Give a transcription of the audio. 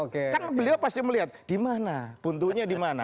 kan beliau pasti melihat di mana buntunya di mana